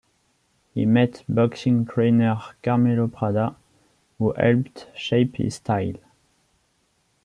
He met boxing trainer Carmelo Prada, who helped shape his style.